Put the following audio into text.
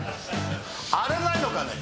あれないのかね？